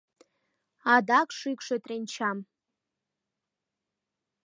Адак шӱкшӧ тренчам